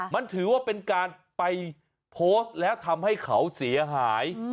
มันถือว่าเป็นการไปโพสต์แล้วทำให้เขาเสียหาย